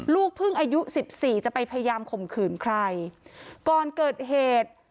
ลูกเพิ่งอายุสิบสี่จะไปพยายามข่มขืนใครก่อนเกิดเหตุ